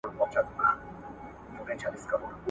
دسبا د جنګ په تمه !.